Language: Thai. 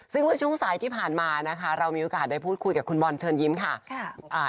ซึ่งเมื่อช่วงสายที่ผ่านมานะคะเรามีโอกาสได้พูดคุยกับคุณบอลเชิญยิ้มค่ะ